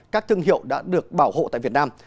các thương hiệu đã được bảo hộ tại việt nam